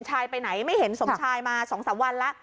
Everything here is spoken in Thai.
ไปไหนไม่เห็นสมชายมา๒๓วันแล้ว